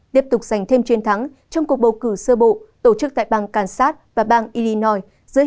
tiếp tục giành thêm chiến thắng trong cuộc bầu cử sơ bộ tổ chức tại bang kansas và bang illinoi dưới